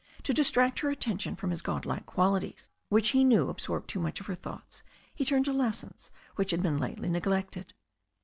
To distract her attention from his god like qualities, which he knew ab sorbed too much of her thoughts, he turned to lessons, which had been lately neglected.